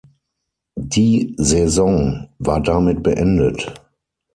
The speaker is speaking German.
Die Saison war damit beendet.